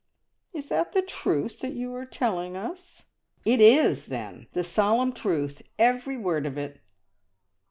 "Is it the truth that you are telling us?" "It is, then! The solemn truth! Every word of it."